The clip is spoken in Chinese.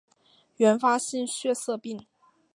原发性血色病